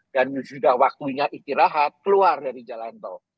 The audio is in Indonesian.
dan sudah waktunya istirahat keluar dari jalan tol